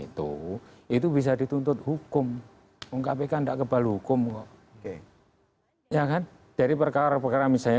itu itu bisa dituntut hukum mengkapikan ndak kebal hukum ya kan jadi perkara perkara misalnya